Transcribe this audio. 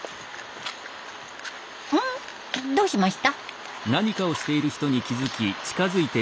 うん？どうしました？